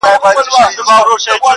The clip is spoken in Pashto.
لږ دي د حُسن له غروره سر ور ټیټ که ته.